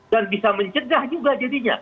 dan bisa mencegah juga jadinya